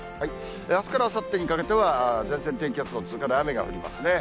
あすからあさってにかけては、前線低気圧の通過で雨が降りますね。